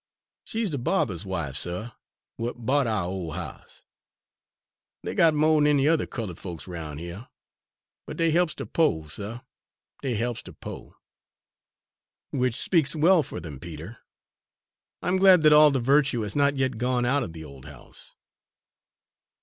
She's de barbuh's wife, suh, w'at bought ouah ole house. Dey got mo' dan any yuther colored folks roun' hyuh, but dey he'ps de po', suh, dey he'ps de po'." "Which speaks well for them, Peter. I'm glad that all the virtue has not yet gone out of the old house."